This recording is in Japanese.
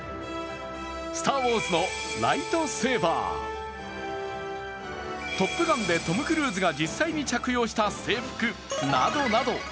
「スター・ウォーズ」のライトセーバー、「トップガン」でトム・クルーズが実際に着用した制服などなど。